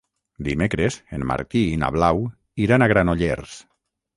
Dimecres en Martí i na Blau iran a Granollers.